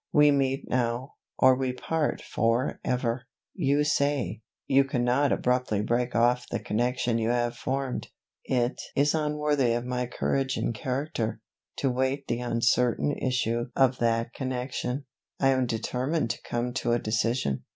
We meet now, or we part for ever. You say, You cannot abruptly break off the connection you have formed. It is unworthy of my courage and character, to wait the uncertain issue of that connexion. I am determined to come to a decision.